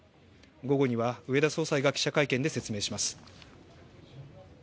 午後には植田総裁が記者会見で説明します。